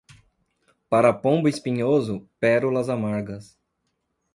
Para pombo espinhoso, pérolas amargas.